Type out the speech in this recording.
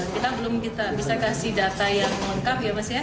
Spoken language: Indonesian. kita belum bisa kasih data yang lengkap ya mas ya